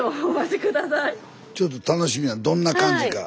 ちょっと楽しみやどんな感じか。